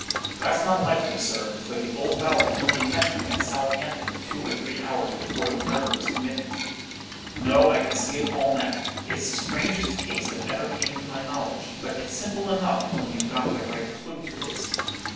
"'That's not likely, sir; for the old valet only met him at Southampton two or three hours before the murder was committed. No; I can see it all now. It's the strangest case that ever came to my knowledge, but it's simple enough when you've got the right clue to it.